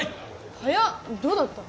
はやっどうだった？